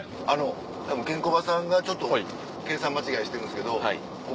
たぶんケンコバさんがちょっと計算間違いしてるんですけど。